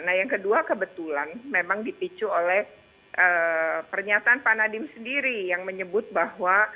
nah yang kedua kebetulan memang dipicu oleh pernyataan pak nadiem sendiri yang menyebut bahwa